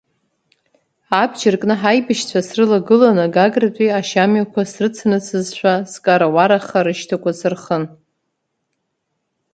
Абџьар кны ҳаибашьцәа срылагыланы Гагратәи ашьамҩақәа срыцанысызшәа скара-уараха рышьҭақәа сырхын.